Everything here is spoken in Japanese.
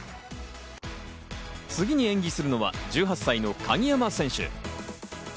次に演技するのは１８歳の鍵山選手。